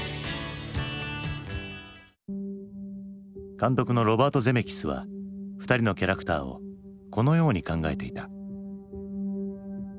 監督のロバート・ゼメキスは２人のキャラクターをこのように考えていた。